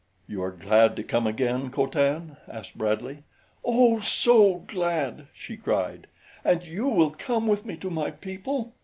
"You are glad to come again, Co Tan?" asked Bradley. "Oh, so glad!" she cried. "And you will come with me to my people?